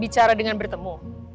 bicara dengan bertemu